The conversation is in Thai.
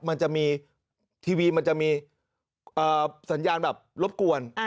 มันจะมีทีวีมันจะมีสัญญาณแบบรบกวน